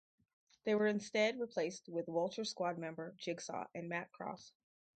They were instead replaced with Vulture Squad member Jigsaw and Matt Cross.